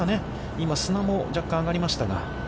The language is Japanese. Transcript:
今、砂も若干上がりましたが。